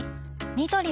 ニトリ